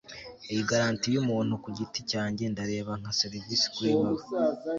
Iyi garanti yumuntu ku giti cyanjye ndareba nka serivisi kuri wewe